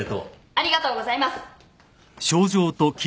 ありがとうございます。